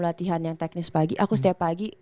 latihan yang teknis pagi aku setiap pagi